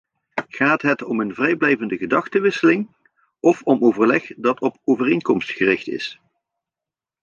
Gaat het om een vrijblijvende gedachtewisseling of om overleg dat op overeenkomst gericht is?